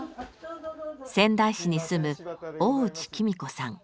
仙台市に住む大内喜美子さん。